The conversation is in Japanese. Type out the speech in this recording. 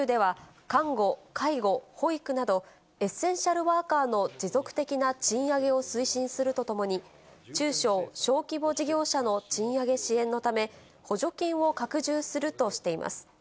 では、看護、介護、保育など、エッセンシャルワーカーの持続的な賃上げを推進するとともに、中小・小規模事業者の賃上げ支援のため、補助金を拡充するとしています。